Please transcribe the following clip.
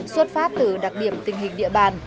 xuất phát từ đặc điểm tình hình địa bàn